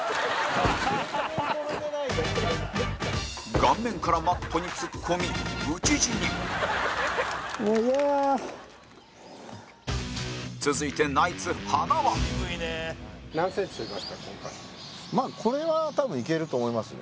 顔面からマットに突っ込み討ち死に続いて、ナイツ塙これは多分いけると思いますね。